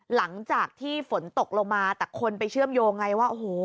หลังจากที่ฝนตกลงมาแต่คนไปเชื่อมโยงไงว่าโอ้โห